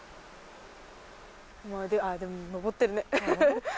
でも上ってるね。